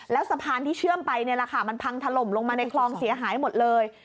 แล้วสะพานที่เชื่อมไปมันพังถล่มลงมาในคลองเสียหายหมดเลย